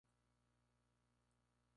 Ortiz Cruz Víctor Manuel.